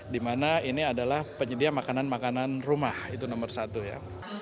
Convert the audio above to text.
di mana ini adalah penyedia makanan makanan rumah itu nomor satu ya